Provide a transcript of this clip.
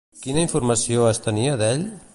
Quina informació es tenia d'ell?